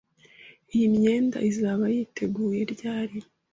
Iyi myenda izaba yiteguye ryari?